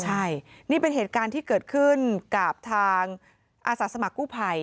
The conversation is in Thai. ใช่นี่เป็นเหตุการณ์ที่เกิดขึ้นกับทางอาสาสมัครกู้ภัย